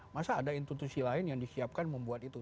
masa ada institusi lain yang disiapkan membuat itu